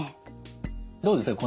どうですか？